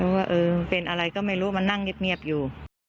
ว่าเป็นอะไรก็ไม่รู้มันนั่งเงียบอยู่